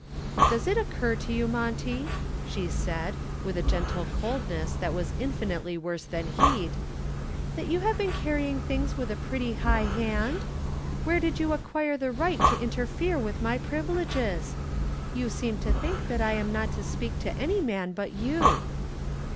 "Does it occur to you, Monty," she said, with a gentle coldness that was infinitely worse than heat, "that you have been carrying things with a pretty high hand? Where did you acquire the right to interfere with my privileges? You seem to think that I am not to speak to any man but you."